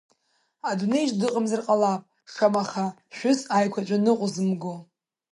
Адунеи аҿы дыҟамзар ҟалап шамаха шәыс аиқәаҵәа ныҟәзымго.